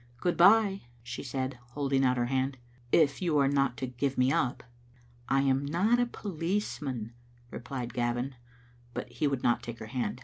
"Good bye," she said, holding out her hand, "if yon are not to give me up." " I am not a policeman," replied Gavin, but he would not take her hand.